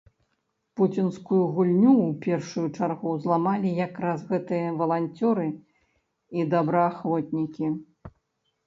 Пуцінскую гульню ў першую чаргу зламалі як раз гэтыя валанцёры і добраахвотнікі.